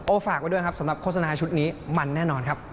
ฝากไว้ด้วยครับสำหรับโฆษณาชุดนี้มันแน่นอนครับ